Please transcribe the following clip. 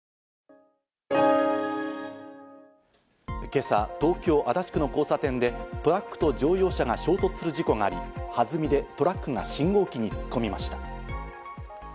今朝、東京・足立区の交差点でトラックと乗用車が衝突する事故があり、はずみでトラックが信号機に突っ込みました。